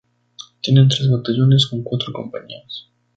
Tiene tres batallones con cuatro compañías.